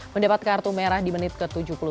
mendapat kartu merah di menit ke tujuh puluh tiga